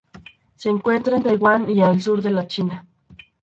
Se encuentra en Taiwán y al sur de la China.